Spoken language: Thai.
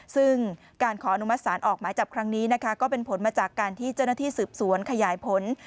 ซึ่งการขออนุมัติศาลออกหมายจับครั้งนี้นะคะก็เป็นผลมาจากการที่เจ้าหน้าที่สืบสวนขยายผล